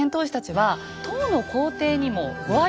はい。